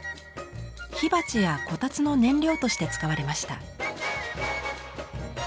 火鉢やこたつの燃料として使われました。